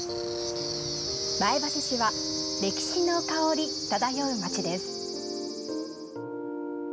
前橋市は歴史の香り漂う町です。